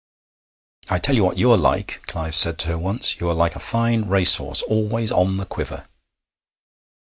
'I tell you what you are like,' said Clive to her once: 'you are like a fine racehorse, always on the quiver.'